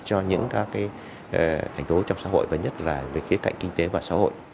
cho các hành tố trong xã hội và nhất là với khía cạnh kinh tế và xã hội